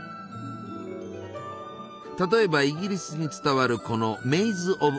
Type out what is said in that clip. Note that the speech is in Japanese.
例えばイギリスに伝わるこの「メイズ・オブ・オナー」じゃ。